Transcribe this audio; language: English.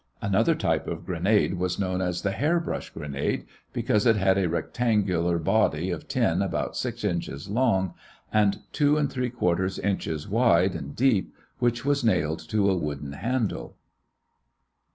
Another type of grenade was known as the hair brush grenade because it had a rectangular body of tin about six inches long and two and three quarter inches wide and deep, which was nailed to a wooden handle.